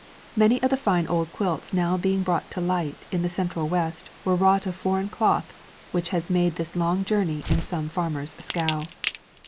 Many of the fine old quilts now being brought to light in the Central West were wrought of foreign cloth which has made this long journey in some farmer's scow.